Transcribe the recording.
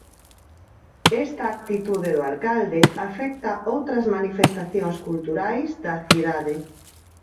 Esta actitude do alcalde afecta outras manifestacións culturais da cidade.